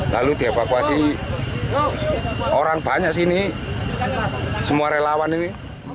lalu dievakuasi orang banyak sini semua relawan ini